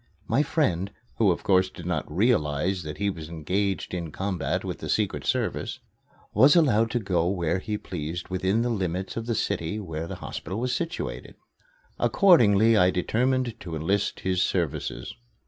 My friend, who, of course, did not realize that he was engaged in combat with the Secret Service, was allowed to go where he pleased within the limits of the city where the hospital was situated. Accordingly I determined to enlist his services.